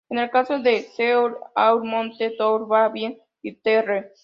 Es el caso de: "Seul au monde", "Tout va bien" y "Terre".